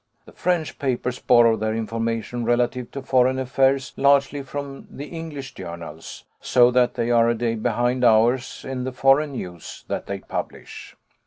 The French papers borrow their information relative to foreign affairs largely from the English journals, so that they are a day behind ours in the foreign news that they publish.